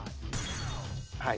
はい。